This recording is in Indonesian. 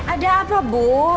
ada apa bu